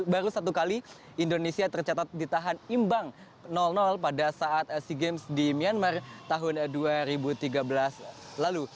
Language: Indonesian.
baru satu kali indonesia tercatat ditahan imbang pada saat sea games di myanmar tahun dua ribu tiga belas lalu